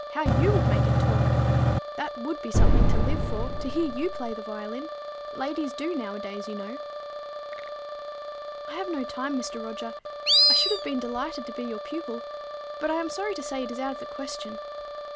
How you would make it talk! That would be something to live for, to hear you play the violin! Ladies do, nowadays, you know." "I have no time, Mr. Roger. I should have been delighted to be your pupil; but I am sorry to say it is out of the question."